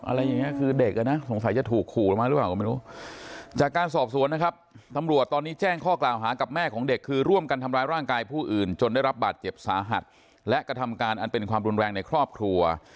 อะไรอย่างนี้คือเด็กสงสัยจะถูกขูลมากรึเปล่า